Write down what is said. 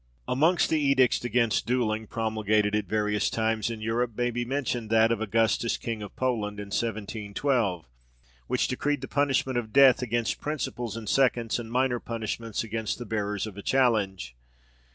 Amongst the edicts against duelling, promulgated at various times in Europe, may be mentioned that of Augustus King of Poland, in 1712, which decreed the punishment of death against principals and seconds, and minor punishments against the bearers of a challenge.